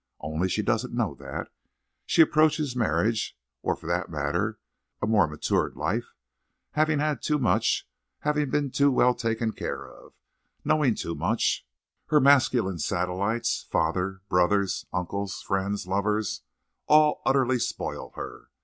Only she doesn't know that. She approaches marriage, or, for that matter, a more matured life, having had too much, having been too well taken care of, knowing too much. Her masculine satellites—father, brothers, uncles, friends, lovers—all utterly spoil her.